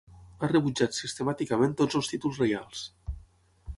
Ha rebutjat sistemàticament tots els títols reials.